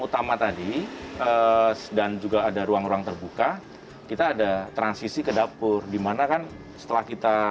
utama tadi dan juga ada ruang ruang terbuka kita ada transisi ke dapur dimana kan setelah kita